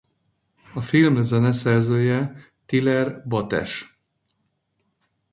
A film zeneszerzője Tyler Bates.